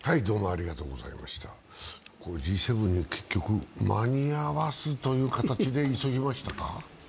Ｇ７に間に合わすという形で急ぎましたか？